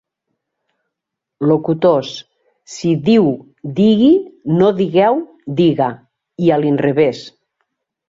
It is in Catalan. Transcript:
Locutors, si diu 'digui' no digueu 'diga', i a l'inrevès.